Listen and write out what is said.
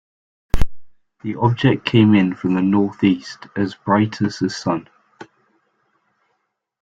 The object came in from the northeast, as bright as the Sun.